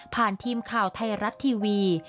ผ่านทีมข่าวไทยรัตน์ทีวี